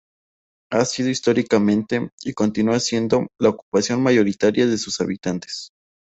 Ha sido históricamente, y continúa siendo, la ocupación mayoritaria de sus habitantes.